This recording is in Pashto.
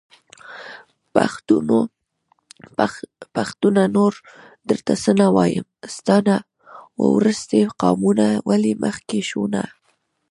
پښتونه نور درته څه نه وايم.. ستا نه وروستی قامونه ولي مخکې شو نه